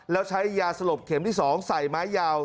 แล้วใช้ยาสลบเข็มที่๒ใส่ไม้ยาว